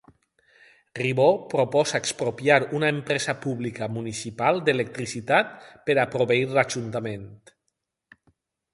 Ribó proposa expropiar una empresa pública municipal d'electricitat per a proveir l'ajuntament.